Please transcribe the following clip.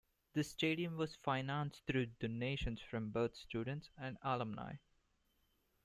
The stadium was financed through donations from both students and alumni.